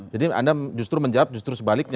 jadi anda justru menjawab justru sebaliknya